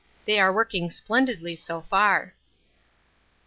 They are working splendidly so far.